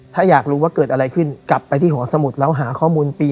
ถ้าอยากรู้ว่าเกิดอะไรขึ้นกลับไปที่หอสมุทรแล้วหาข้อมูลปี